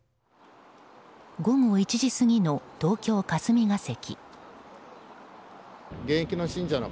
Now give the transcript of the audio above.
午後１時過ぎの東京・霞が関。